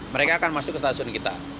mereka akan masuk ke stasiun kita